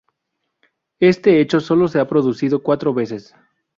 Este hecho solo se ha producido cuatros veces.